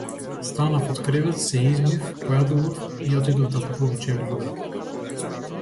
Станав од кревет, се измив, појадував и отидов да купувам чевли во град.